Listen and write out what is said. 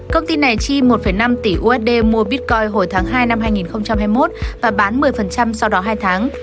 công ty này chi một năm tỷ usd mua bitcoin hồi tháng hai năm hai nghìn hai mươi một và bán một mươi sau đó hai tháng